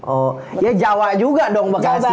oh ya jawa juga dong bekasi